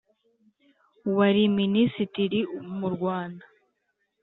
wari minisitiri mu Rwanda